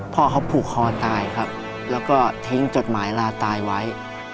พ่อเขาผูกคอตายครับแล้วก็ทิ้งจดหมายลาตายไว้